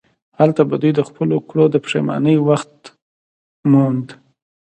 هلته به دوی د خپلو کړو د پښیمانۍ وخت موند.